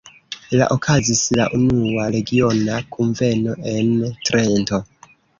La okazis la unua regiona kunveno en Trento.